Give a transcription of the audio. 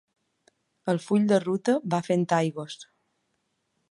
El full de ruta va fent aigües